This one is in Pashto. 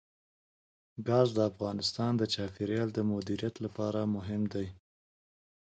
ګاز د افغانستان د چاپیریال د مدیریت لپاره مهم دي.